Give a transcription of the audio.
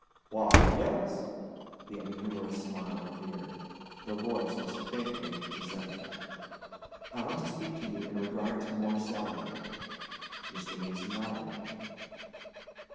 "Why yes." The unhumorous smile appeared. The voice was faintly resentful. "I want to speak to you in regard to more salary." Mr. Macy nodded.